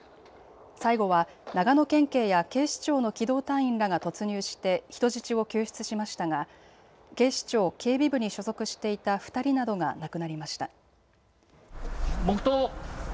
最後は長野県警や警視庁の機動隊員らが突入して人質を救出しましたが警視庁警備部に所属していた２人などが亡くなりました。